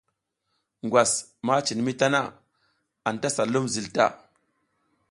Ngwas ma cin mi tana, anta sa lum zil ta.